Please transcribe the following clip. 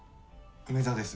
梅沢です。